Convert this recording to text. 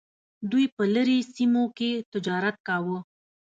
دوی په لرې سیمو کې تجارت کاوه.